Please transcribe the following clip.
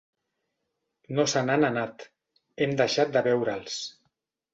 No se n'han anat, hem deixat de veure'ls.